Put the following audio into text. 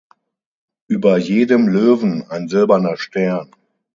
Über jedem Löwen ein silberner Stern.